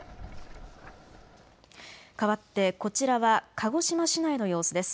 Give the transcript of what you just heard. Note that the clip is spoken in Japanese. かわって、こちらは鹿児島市内の様子です。